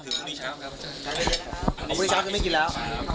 ถึงภูมิช้าวอาหารก็ไม่กินแล้ว